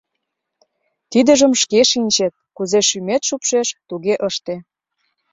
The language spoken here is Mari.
— Тидыжым шке шинчет, кузе шӱмет шупшеш, туге ыште.